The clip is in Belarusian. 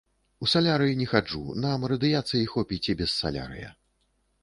У салярый не хаджу, нам радыяцыі хопіць і без салярыя.